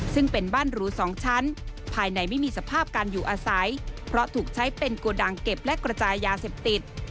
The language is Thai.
ซึ่งเป็นบ้านหรูสองชั้นภายในไม่มีสภาพการอยู่อาศัยเพราะถูกใช้เป็นโกดังเก็บและกระจายยาเสพติด